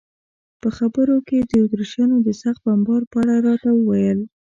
په خبرو کې یې د اتریشیانو د سخت بمبار په اړه راته وویل.